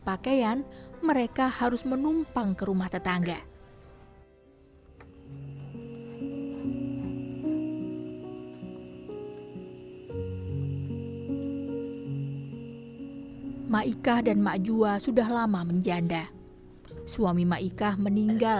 biar kotorannya terbang